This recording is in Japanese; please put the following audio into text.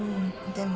でも。